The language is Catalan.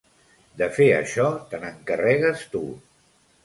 De fer això te n'encarregues tu.